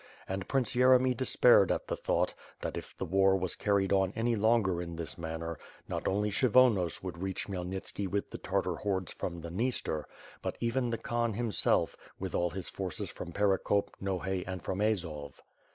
And Prince Yeremy de spaired at the thought, that if the war was carried on any longer in this manner, not only Kshyvonos would reach Khmyelnitski with the Tartar hordes from the Dniester, but 467 468 ^t'FH f'lii^ AND SWORD, even the Khan, himself, with all his forces from Perekop, Nohay, and from Azov.